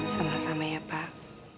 sama sama ya pak